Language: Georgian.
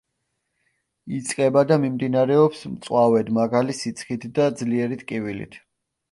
იწყება და მიმდინარეობს მწვავედ, მაღალი სიცხით და ძლიერი ტკივილით.